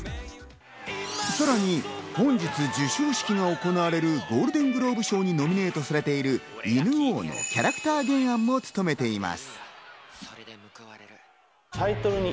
さらに、本日授賞式が行われるゴールデングローブ賞にノミネートされている『犬王』のキャラクター原案を務めています。